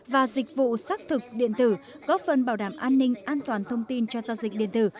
và dịch vụ xác thực điện tử góp phần bảo đảm an ninh an toàn thông tin cho giao dịch điện tử